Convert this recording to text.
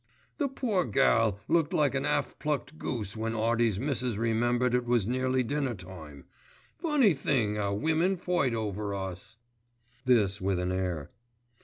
The poor gall looked like an 'alf plucked goose when Artie's missus remembered it was nearly dinner time. Funny thing 'ow women fight over us," this with an air.